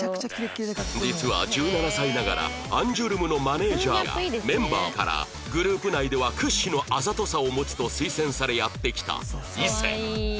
実は１７歳ながらアンジュルムのマネージャーやメンバーからグループ内では屈指のあざとさを持つと推薦されやって来た伊勢